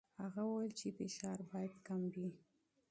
هغه وویل چې فشار باید کم وي.